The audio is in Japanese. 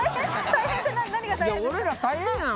俺ら大変やん。